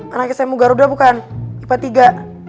anaknya saya mugaruda bukan ipa tiga